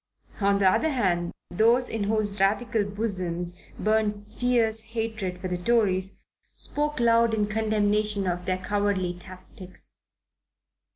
On the other hand, those in whose Radical bosoms burned fierce hatred for the Tories, spoke loud in condemnation of their cowardly tactics.